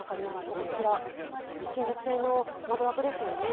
こちら、金属製の窓枠ですよね。